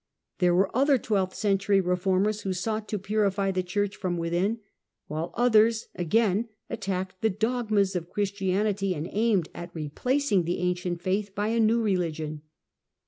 anV^°^^^^ There were other twelfth century reformers who sought Heretics ^^ purify the Church from within, while others, again, attacked the dogmas of Christianity, and aimed at re placing the ancient faith by a new religion.